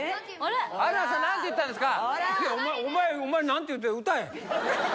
春菜さん何て言ったんですか？